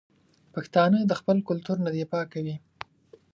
پښتانه د خپل کلتور نه دفاع کوي.